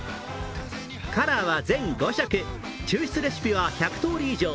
カラーは全５色、抽出レシピは１００通り以上。